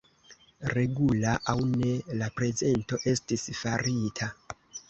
Regula aŭ ne, la prezento estis farita.